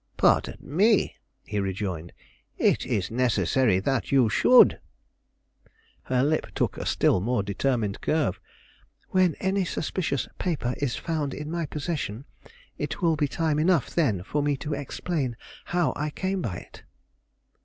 "Pardon me," he rejoined: "it is necessary that you should." Her lip took a still more determined curve. "When any suspicious paper is found in my possession, it will be time enough then for me to explain how I came by it."